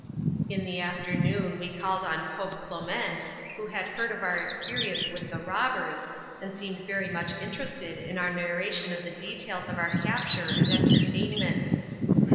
In the afternoon we called on Pope Clement, who had heard of our experience with the robbers, and seemed very much interested in our narration of the details of our capture and entertainment.